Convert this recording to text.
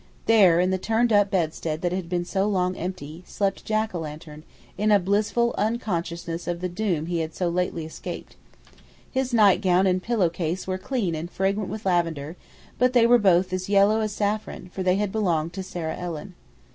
There, in the turn up bedstead that had been so long empty, slept Jack o' lantern, in blissful unconsciousness of the doom he had so lately escaped. His nightgown and pillow case were clean and fragrant with lavender, but they were both as yellow as saffron, for they had belonged to Sarah Ellen.